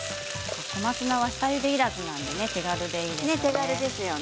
小松菜は下ゆでいらずなんで手軽でいいですよね。